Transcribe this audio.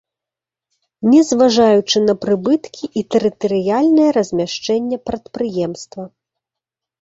Не зважаючы на прыбыткі і тэрытарыяльнае размяшчэнне прадпрыемства.